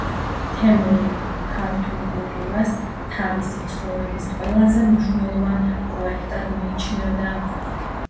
თემური „ქართულ კულტურას“ თავისი ცხოვრების ყველაზე მნიშვნელოვან პროექტად მიიჩნევდა.